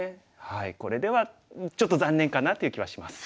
これではちょっと残念かなという気はします。